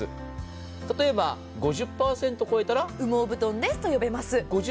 例えば５０％を超えたら羽毛布団ですと呼べます。